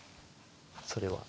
それは。